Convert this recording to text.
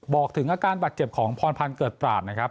บอกถึงอาการบาดเจ็บของพรพันธ์เกิดตราดนะครับ